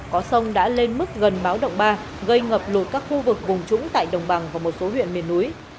có sông đã lên mức gần báo động ba gây ngập lụt các khu vực vùng trũng tại đồng bằng và một số huyện miền núi